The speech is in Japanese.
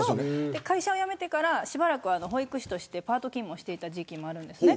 会社を辞めてからしばらく保育士としてパート勤務をしていた時期もあります。